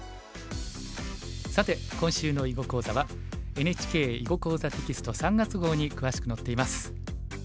さて今週の囲碁講座はＮＨＫ「囲碁講座」テキスト３月号に詳しく載っています。